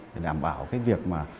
để đảm bảo cái việc mà